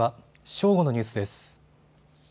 正午のニュースです。